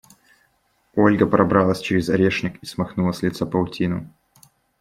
Ольга пробралась через орешник и смахнула с лица паутину.